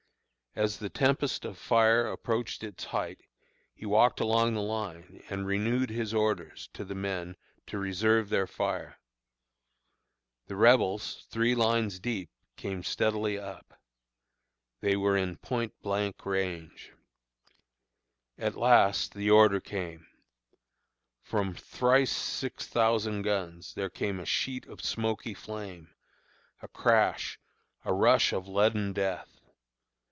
As the tempest of fire approached its height, he walked along the line, and renewed his orders to the men to reserve their fire. The Rebels three lines deep came steadily up. They were in point blank range. "At last the order came! From thrice six thousand guns there came a sheet of smoky flame, a crash, a rush of leaden death.